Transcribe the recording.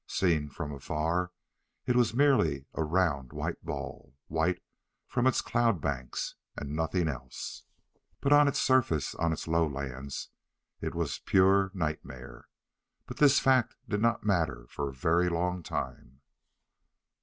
Seen from afar it was merely a round white ball white from its cloud banks and nothing else. But on its surface, on its lowlands, it was pure nightmare. But this fact did not matter for a very long time.